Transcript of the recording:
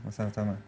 ya terima kasih